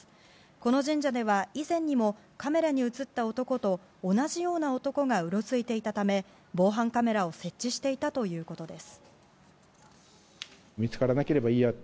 この神社では以前にもカメラに映った男と同じような男がうろついていたため防犯カメラを設置していたということです。